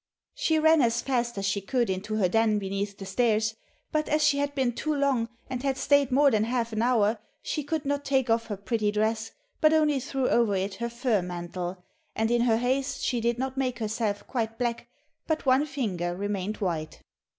She ran as fast as she could into her den beneath the stairs, but as she had been too long, and had stayed more than half an hour she could not take off her pretty dress, but only threw over it her fur mantle, and in her haste she did not make herself quite black, but one finger remained white.